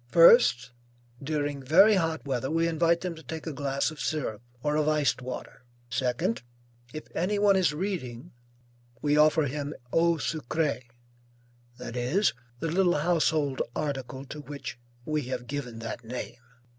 First, during very hot weather, we invite them to take a glass of syrup, or of iced water. Second, if any one is reading, we offer him eau sucrée, that is, the little household article to which we have given that name.